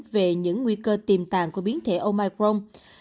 về những nguy cơ tiềm tàng của biến thể omicron